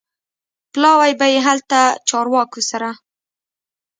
پلاوی به یې هلته چارواکو سره